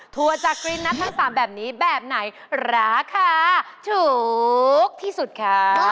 ถั่วจักรีนัสทั้ง๓แบบนี้แบบไหนราคาถูกที่สุดคะ